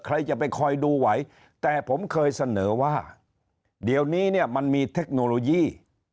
ใครจะไปคอยดูไหวแต่ผมเคยเสนอว่าเดี๋ยวนี้เนี่ยมันมีเทคโนโลยี